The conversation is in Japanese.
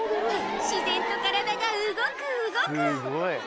自然と体が動く、動く。